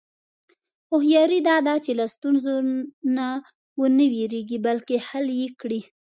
هوښیاري دا ده چې له ستونزو نه و نه وېرېږې، بلکې حل یې کړې.